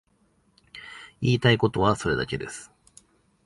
言いたいことはそれだけです。